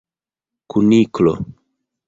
Kuniklo!